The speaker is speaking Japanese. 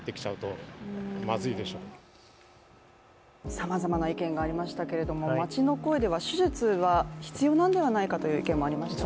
さまざまな意見がありましたけれども、街の声では手術は必要なのではないかという意見もありました。